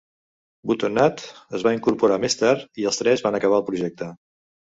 Boutonnat es va incorporar més tard i els tres van acabar el projecte.